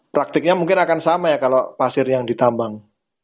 praktiknya mungkin akan sama ya kalau pasir yang ditambang